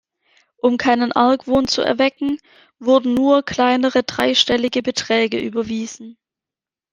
Um keinen Argwohn zu erwecken, wurden nur kleinere, dreistellige Beträge überwiesen.